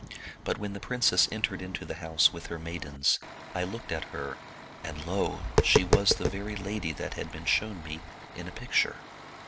But, when the princess entered into the house with her maidens, I looked at her, and lo! she was the very lady that had been shown me in a picture.